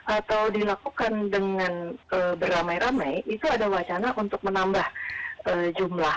atau dilakukan dengan beramai ramai itu ada wacana untuk menambah jumlah